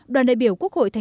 đoàn đại biểu quốc hội tp hcm